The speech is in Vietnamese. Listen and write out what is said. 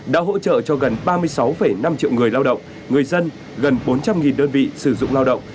đã hỗ trợ cho gần ba mươi sáu năm triệu người lao động người dân gần bốn trăm linh đơn vị sử dụng lao động